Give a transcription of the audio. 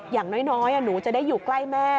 อย่างน้อยหนูจะได้อยู่ใกล้แม่